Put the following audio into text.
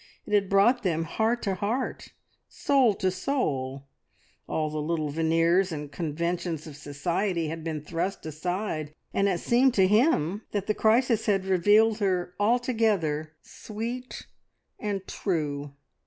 It had brought them heart to heart, soul to soul; all the little veneers and conventions of society had been thrust aside, and it seemed to him that the crisis had revealed her altogether sweet and true.